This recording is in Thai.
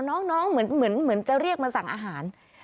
น้องเหมือนจะเรียกมาสั่งอาหาร